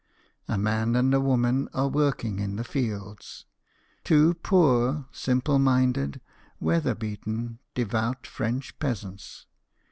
A man and a woman are working in the fields two poor, simple minded, weather beaten, devout French peasants.